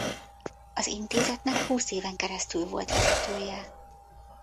Az intézetnek húsz éven keresztül volt vezetője.